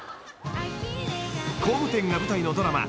［工務店が舞台のドラマ